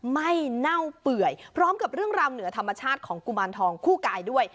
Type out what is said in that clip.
เน่าเปื่อยพร้อมกับเรื่องราวเหนือธรรมชาติของกุมารทองคู่กายด้วย